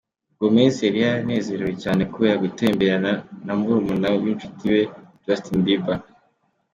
Gomez yari yanezerewe cyane kubera gutemberana na barumuna b'inshuti ye Justin Bieber.